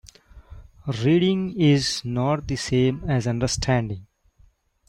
Reading is not the same as understanding.